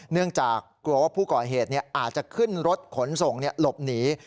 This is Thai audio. เนื่องจากกลัวว่าผู้ก่อเหตุอาจจะขึ้นรถขนส่งหลบหนี